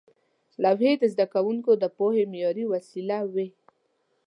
لوحې د زده کوونکو د پوهې معیاري وسیله وې.